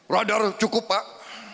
radar cukup pak